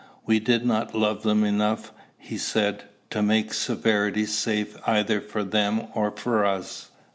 We did not love them enough, he said, to make severity safe either for them or for us.